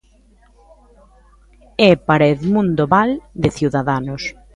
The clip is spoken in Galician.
E para Edmundo Val, de Ciudadanos.